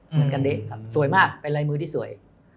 เหมือนกันดิครับสวยมากเป็นลายมือที่สวย